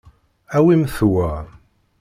Awimt wa.